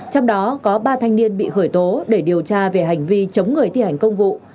trong đó có ba thanh niên bị khởi tố để điều tra về hành vi chống người thi hành công vụ